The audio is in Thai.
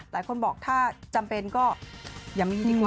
หลายคนบอกถ้าจำเป็นก็อย่ามีดีกว่า